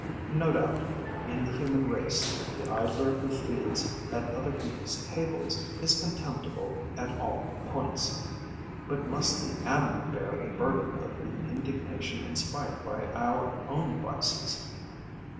No doubt, in the human race, the idler who feeds at other people's tables is contemptible at all points; but must the animal bear the burden of the indignation inspired by our own vices?